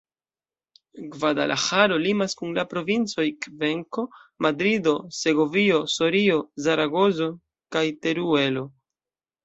Gvadalaĥaro limas kun la provincoj Kvenko, Madrido, Segovio, Sorio, Zaragozo kaj Teruelo.